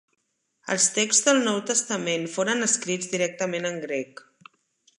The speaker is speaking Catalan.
Els texts del Nou Testament foren escrits directament en grec.